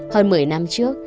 hơn một mươi năm trước